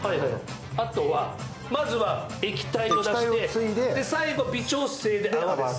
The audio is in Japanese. まずは液体を出して、最後微調整で泡です。